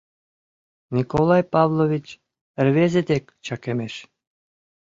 — Николай Павлович рвезе дек чакемеш.